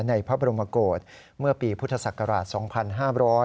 ในพระบรมกฏเมื่อปีพุทธศักราช๒๕๐